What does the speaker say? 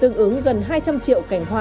tương ứng gần hai trăm linh triệu cành hoa